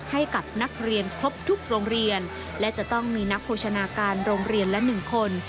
ให้กับนักเรียนครบทุกโรงเรียนและจะต้องมีนักโภชนาการโรงเรียนละ๑คน